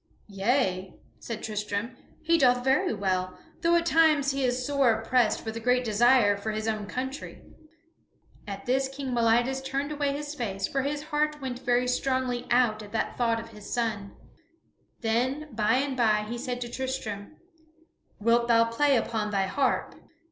"Yea," said Tristram, "he doeth very well, though at times he is sore oppressed with a great desire for his own country." At this King Meliadus turned away his face, for his heart went very strongly out at the thought of his son. Then by and by he said to Tristram, "Wilt thou play upon thy harp?"